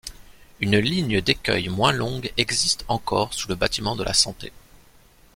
Une ligne d’écueils moins longue existe encore sous le bâtiment de la Santé.